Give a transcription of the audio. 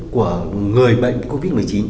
của người bệnh covid một mươi chín